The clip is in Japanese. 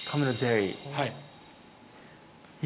はい。